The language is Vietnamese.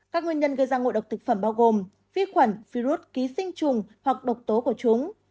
các nguyên nhân gây ra ngộ độc thực phẩm bao gồm vi khuẩn virus ký sinh trùng hoặc độc tố của chúng